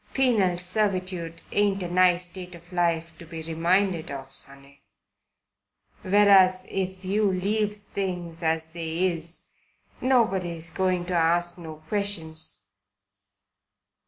Penal servitude ain't a nice state of life to be reminded of, sonny. Whereas if you leaves things as they is, nobody's going to ask no questions."